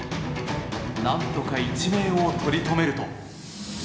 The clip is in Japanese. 何とか一命をとりとめると。